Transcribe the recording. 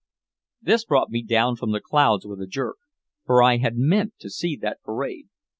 This brought me down from the clouds with a jerk. For I had meant to see that parade.